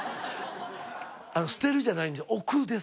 「捨てる」じゃない「置く」です。